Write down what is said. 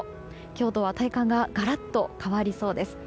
今日とは体感がガラッと変わりそうです。